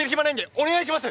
お願いします！